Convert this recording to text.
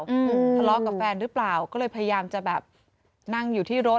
ทะเลาะกับแฟนหรือเปล่าก็เลยพยายามจะแบบนั่งอยู่ที่รถ